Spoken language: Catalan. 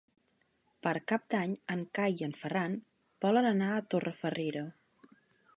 Per Cap d'Any en Cai i en Ferran volen anar a Torrefarrera.